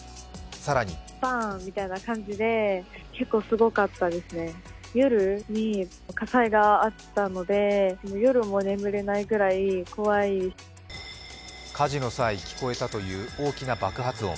更に火事の際、聞こえたという大きな爆発音。